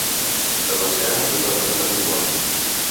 De pescar, tothom en sap igual.